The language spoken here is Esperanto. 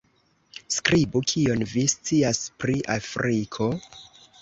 Skribu: Kion vi scias pri Afriko?